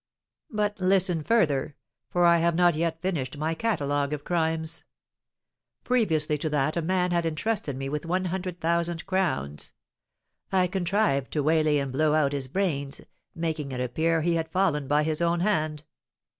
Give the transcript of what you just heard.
"But listen further, for I have not yet finished my catalogue of crimes. Previously to that a man had entrusted me with one hundred thousand crowns. I contrived to waylay and blow out his brains, making it appear he had fallen by his own hand.